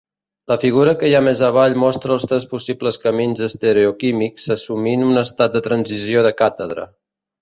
La figura que hi ha més avall mostra els tres possibles camins estereoquímics, assumint un estat de transició de càtedra.